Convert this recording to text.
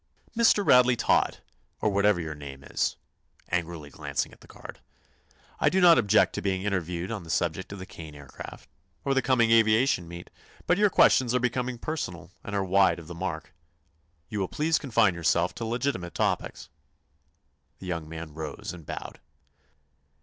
"Mr. Radley Todd, or whatever your name is," angrily glancing at the card, "I do not object to being interviewed on the subject of the Kane Aircraft, or the coming aviation meet. But your questions are becoming personal and are wide of the mark. You will please confine yourself to legitimate topics." The young man rose and bowed.